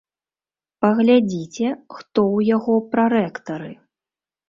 Паглядзіце, хто ў яго прарэктары.